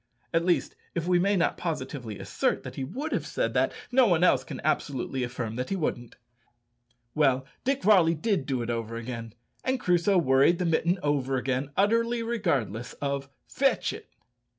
At least, if we may not positively assert that he would have said that, no one else can absolutely affirm that he wouldn't. Well, Dick Varley did do it over again, and Crusoe worried the mitten over again, utterly regardless of "Fetch it."